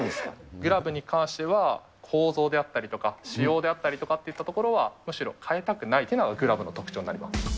グラブに関しては、構造であったりとか、仕様であったりとかっていったところは、むしろ変えたくないというのが、グラブの特徴になります。